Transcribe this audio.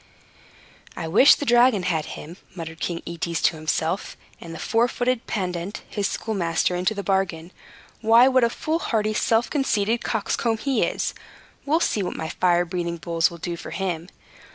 "I wish the dragon had him," muttered King Aetes to himself, "and the four footed pedant, his schoolmaster, into the bargain. Why, what a foolhardy, self conceited coxcomb he is! We'll see what my fire breathing bulls will do for him.